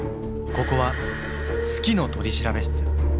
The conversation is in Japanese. ここは「好きの取調室」。